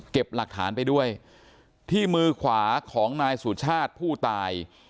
หลักฐานไปด้วยที่มือขวาของนายสุชาติผู้ตาย